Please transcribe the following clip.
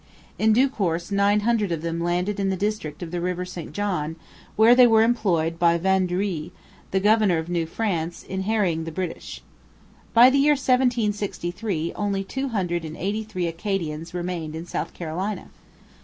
In due course nine hundred of them landed in the district of the river St John, where they were employed by Vaudreuil, the governor of New France, in harrying the British. By the year 1763 only two hundred and eighty three Acadians remained in South Carolina.